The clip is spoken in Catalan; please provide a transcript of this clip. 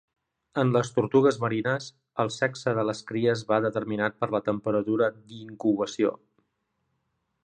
En les tortugues marines, el sexe de les cries ve determinat per la temperatura d'incubació.